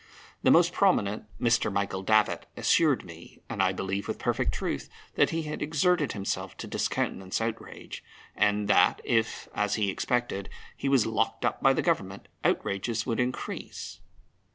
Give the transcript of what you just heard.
The most prominent, Mr. Michael Davitt, assured me, and I believe with perfect truth, that he had exerted himself to discountenance outrage, and that if, as he expected, he was locked up by the Government, outrages would increase.